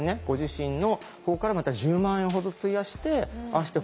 ご自身の方からまた１０万円ほど費やしてああ